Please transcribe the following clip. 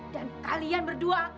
dan kalian berdua